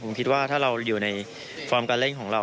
ผมคิดว่าถ้าเราอยู่ในฟอร์มการเล่นของเรา